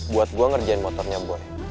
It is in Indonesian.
buat gue ngerjain motornya gue